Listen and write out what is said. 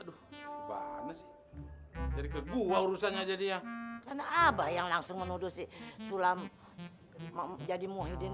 aduh banget jadi kedua urusannya jadinya apa yang langsung menuduh sulam jadi muhyiddin